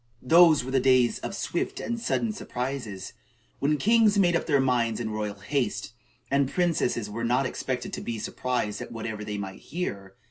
Those were days of swift and sudden surprises, when kings made up their minds in royal haste, and princesses were not expected to be surprised at whatever they might hear.